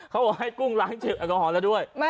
เขาบอกให้กุ้งล้างเจลแอลกอฮอลแล้วด้วย